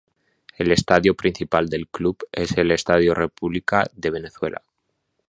El estadio principal del club es el Estadio República de Venezuela.